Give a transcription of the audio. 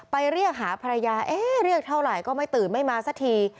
เรียกหาภรรยาเอ๊ะเรียกเท่าไหร่ก็ไม่ตื่นไม่มาสักที